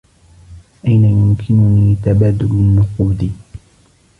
أين يمكننى تبادل النقود؟